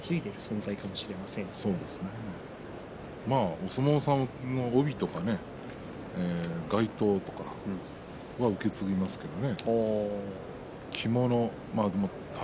お相撲さんの帯とかがいとうとか受け継ぎますけれどね。